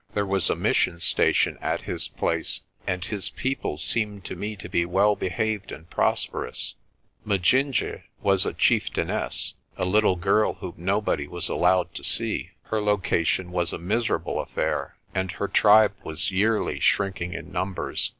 There was a mission station at his place, and his people seemed to me to be well behaved and prosperous. Majinje was a chief tainess, a little girl whom nobody was allowed to see. Her location was a miserable affair, and her tribe was yearly shrinking in numbers.